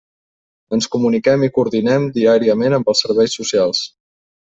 Ens comuniquem i coordinem diàriament amb els Serveis Socials.